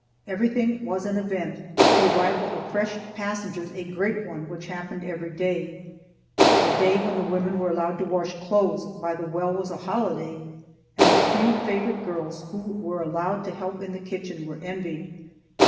Everything was an event, the arrival of fresh passengers a great one which happened every day; the day when the women were allowed to wash clothes by the well was a holiday, and the few favorite girls who were allowed to help in the kitchen were envied.